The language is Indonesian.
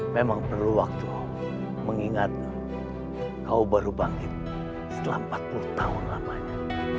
memang perlu waktu mengingat kau baru bangkit setelah empat puluh tahun lamanya